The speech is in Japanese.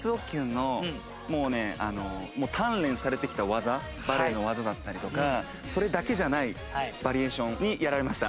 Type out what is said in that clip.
もうね鍛錬されてきた技バレエの技だったりとかそれだけじゃないバリエーションにやられました。